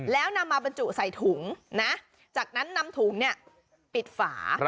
แล้วนำมาบรรจุใส่ถุงนะจากนั้นนำถุงปิดฝา